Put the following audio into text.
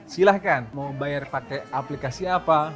silahkan mau bayar pakai aplikasi apa